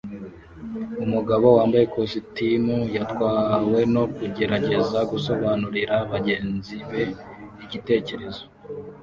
Umugabo wambaye ikositimu yatwawe no kugerageza gusobanurira bagenzi be igitekerezo